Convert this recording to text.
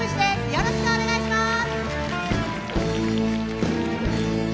よろしくお願いします！